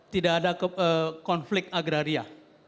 tidak ada konflik agraria